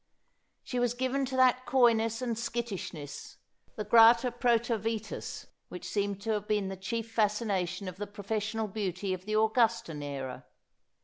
She was given to that coyness and skittish ness, the grata protei'vitas, which seems to have been the chief fascination of the professional beauty of the Augustan era.